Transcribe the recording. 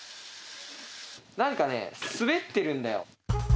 なんかね滑ってるんだよ。